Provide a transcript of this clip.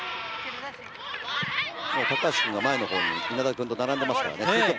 高橋君が前のほうに稲田君と並んでいますからね。